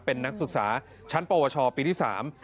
เป็นนักศึกษาชั้นปวชปีที่สาม